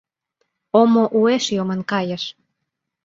Омо уэш йомын кайыш.